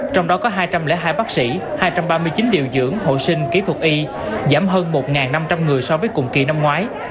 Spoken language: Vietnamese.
trong đó có hai trăm linh hai bác sĩ hai trăm ba mươi chín điều dưỡng hội sinh kỹ thuật y giảm hơn một năm trăm linh người so với cùng kỳ năm ngoái